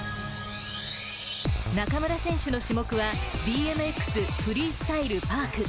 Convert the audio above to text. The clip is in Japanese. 中村選手の種目は、ＢＭＸフリースタイル・パーク。